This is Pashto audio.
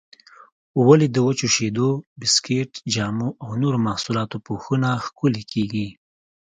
ولې د وچو شیدو، بسکېټ، جامو او نورو محصولاتو پوښونه ښکلي کېږي؟